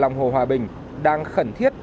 lòng hồ hòa bình đang khẩn thiết